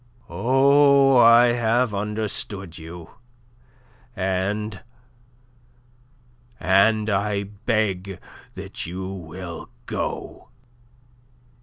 "Oh, I have understood you, and... and I beg that you will go."